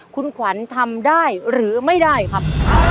คุณขวัญทำได้หรือไม่ได้ครับ